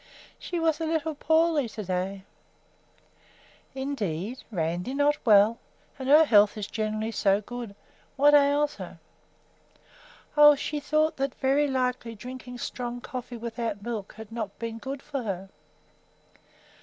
"She was a little poorly to day." "Indeed! Randi not well? And her health is generally so good. What ails her?" "Oh, she thought that very likely drinking strong coffee without milk had not been good for her."